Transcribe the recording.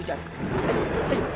udah akan mulai sungguh